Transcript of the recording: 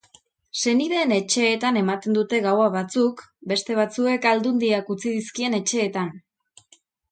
Senideen etxeetan eman dute gaua batzuk, beste batzuek aldundiak utzi dizkien etxeetan.